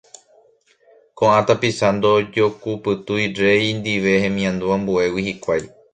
Ko'ã tapicha ndojokupytúi rey ndive hemiandu ambuégui hikuái.